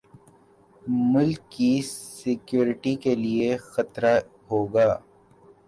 ملک کی سیکیورٹی کے لیے خطرہ ہوگی